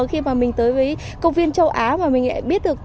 khi mà mình tới với công viên châu á mà mình lại biết được